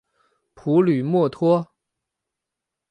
普吕默托。